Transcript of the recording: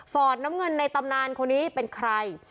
น้ำเงินในตำนานคนนี้เป็นใคร